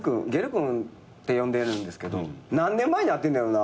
君って呼んでるんですけど何年前に会ってんねやろな？